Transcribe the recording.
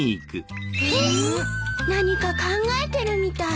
何か考えてるみたい。